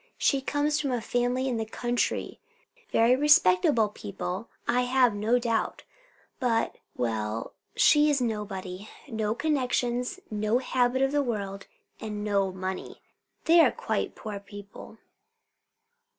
She comes from a family in the country very respectable people, I have no doubt, but, well, she is nobody. No connections, no habit of the world. And no money. They are quite poor people."